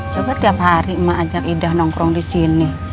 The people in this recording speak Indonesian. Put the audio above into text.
coba tlapak hari mak ajak iddah nongkrong di sini